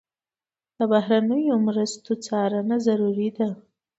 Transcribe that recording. د بهرنیو مرستو څارنه ضروري ده.